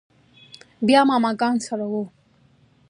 بيا ماما ګانو سره و.